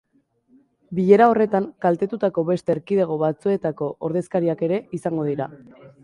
Bilera horretan kaltetutako beste erkidego batzuetako ordezkariak ere izango dira.